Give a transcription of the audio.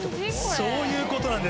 そういうことなんです。